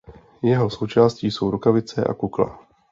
Jeho součástí jsou rukavice a kukla.